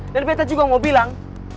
dan gue juga mau bilang